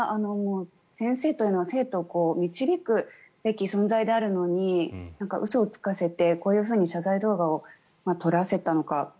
先生というのは生徒を導くべき存在であるのに嘘をつかせてこういうふうに謝罪動画を撮らせたのか。